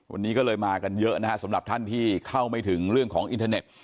วันนี้ก็เลยมากันเยอะนะฮะสำหรับท่านที่เข้าไม่ถึงเรื่องของอินเทอร์เน็ต